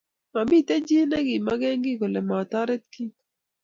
mamiten chi negimagegiy kole matoret Kim